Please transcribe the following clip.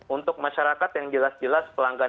untuk masyarakat yang jelas jelas pelanggan